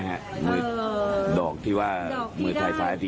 เกือบเมื่อนเลยเหรอฮะ